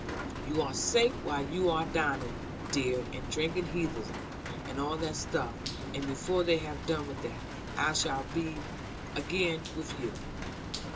You are safe while they are dining, dear, and drinking healths, and all that stuff; and before they have done with that, I shall be again with you.